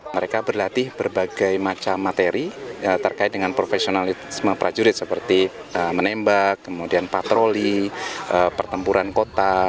mereka berlatih berbagai macam materi terkait dengan profesionalisme prajurit seperti menembak kemudian patroli pertempuran kota